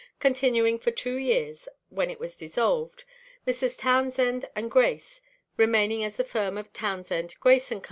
continuing for two years, when it was dissolved, Messrs. Townsend and Grace remaining as the firm of Townsend, Grace & Co.